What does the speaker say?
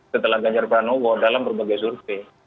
setelah ganjar pranowo dalam berbagai survei